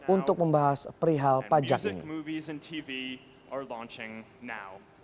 untuk membahas perihal pajaknya